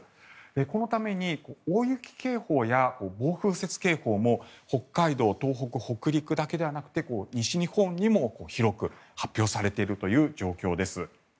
このために大雪警報や暴風雪警報も北海道、東北北陸だけではなくて西日本にも広く発表されているという状況です。